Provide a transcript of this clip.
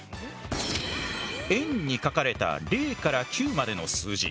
円に書かれた０９までの数字。